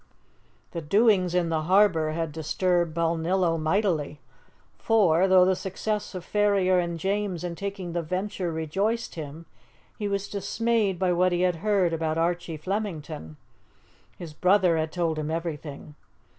The doings in the harbour had disturbed Balnillo mightily; for, though the success of Ferrier and James in taking the Venture rejoiced him, he was dismayed by what he had heard about Archie Flemington. His brother had told him everything.